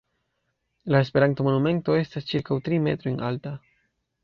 La Esperanto monumento estas ĉirkaŭ tri metrojn alta.